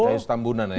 gayus tambunan ya